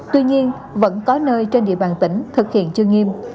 tuy nhiên vẫn có nơi trên địa bàn tỉnh thực hiện chưa nghiêm